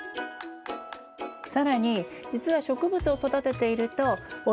更に実は植物を育てているとお